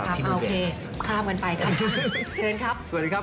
เข้าดาวน์ให้ผมใช่ไหมครับโอเคข้ามกันไปครับเชิญครับ